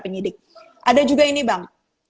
penyidik ada juga ini bang